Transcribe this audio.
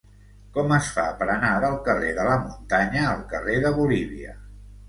Com es fa per anar del carrer de la Muntanya al carrer de Bolívia?